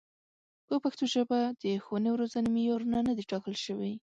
په پښتو ژبه د ښوونې او روزنې معیارونه نه دي ټاکل شوي.